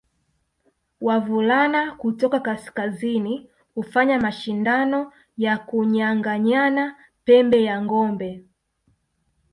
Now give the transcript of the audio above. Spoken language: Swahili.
Wavulana kutoka kaskazini hufanya mashindano ya kunyanganyana pembe ya ngombe